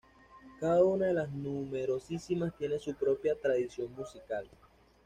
Cada una de las numerosísimas tiene su propia tradición musical.